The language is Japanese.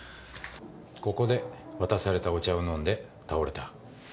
ここで渡されたお茶を飲んで倒れた。